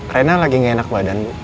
raina lagi gak enak badan bu